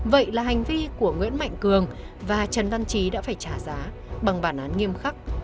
vậy là hành vi của nguyễn mạnh cường và trần văn trí đã phải trả giá bằng bản án nghiêm khắc